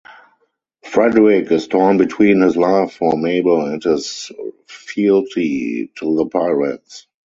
Frederic is torn between his love for Mabel and his fealty to the pirates.